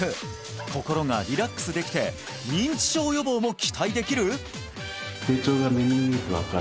心がリラックスできて認知症予防も期待できる！？